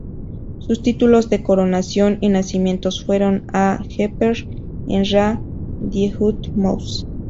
Sus títulos de coronación y nacimiento fueron Aa-Jeper-en-Ra Dyehut-Mose.